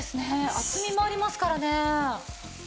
厚みもありますからね。